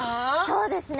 そうですね。